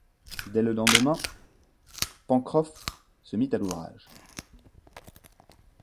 Dès le lendemain, Pencroff se mit à l’ouvrage.